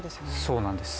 そうなんです。